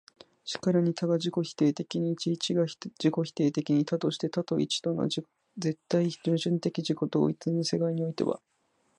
然るに多が自己否定的に一、一が自己否定的に多として、多と一との絶対矛盾的自己同一の世界においては、